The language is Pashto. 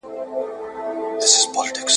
په دېواله دې غېږه کېښوه